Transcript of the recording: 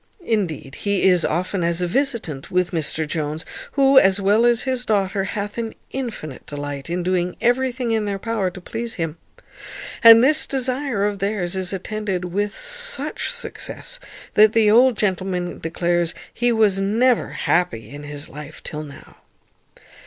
Indeed, he is often as a visitant with Mr Jones, who, as well as his daughter, hath an infinite delight in doing everything in their power to please him. And this desire of theirs is attended with such success, that the old gentleman declares he was never happy in his life till now.